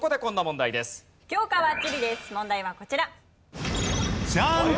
問題はこちら。